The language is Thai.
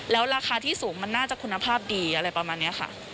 แล้วราคาที่สูงมันน่าจะคุณภาพดีอะไรประมาณนี้ค่ะ